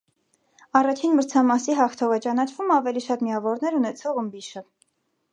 Առաջին մրցամասի հաղթող է ճանաչվում ավելի շատ միավորներ ունեցող ըմբիշը։